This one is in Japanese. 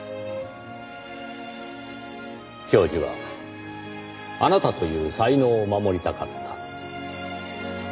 教授はあなたという才能を守りたかった。